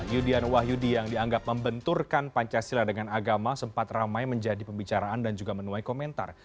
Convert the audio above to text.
yudian wahyudi yang dianggap membenturkan pancasila dengan agama sempat ramai menjadi pembicaraan dan juga menuai komentar